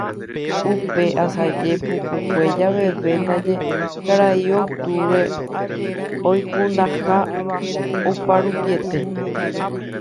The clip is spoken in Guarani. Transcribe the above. Upe asaje pukukue javeve ndaje Karai Octubre oikundaha oparupiete